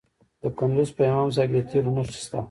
د کندز په امام صاحب کې د تیلو نښې شته.